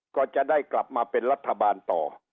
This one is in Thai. ก็จะได้กลับมาเป็นรัฐบาลต่อ